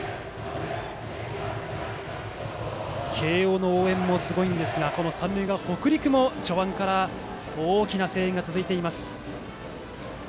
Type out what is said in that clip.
慶応の応援もすごいんですが三塁側、北陸も、序盤から大きな声援が続いています。